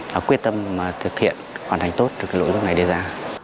đã quyết tâm thực hiện hoàn thành tốt được lỗi lúc này đề ra